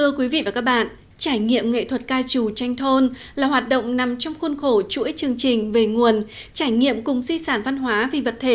thưa quý vị và các bạn trải nghiệm nghệ thuật ca trù tranh thôn là hoạt động nằm trong khuôn khổ chuỗi chương trình về nguồn trải nghiệm cùng di sản văn hóa vì vật thể